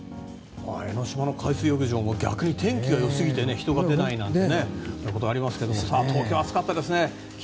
江の島の海水浴場も逆に天気がよすぎて人が出ないなんてということがありますが東京暑かったですね。